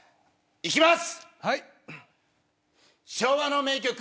いきます。